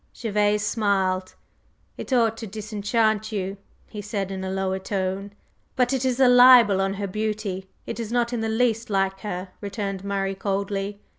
Gervase smiled. "It ought to disenchant you," he said in a lower tone. "But it is a libel on her beauty, it is not in the least like her," returned Murray coldly.